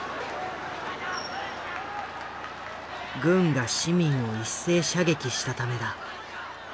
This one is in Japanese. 軍が市民を一斉射撃したためだ。